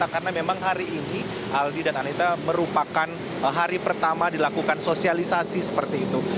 karena memang hari ini aldi dan anita merupakan hari pertama dilakukan sosialisasi seperti itu